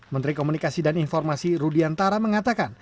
menteri komunikasi dan informasi rudiantara mengatakan